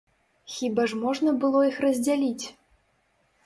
Хіба ж можна было іх раздзяліць?!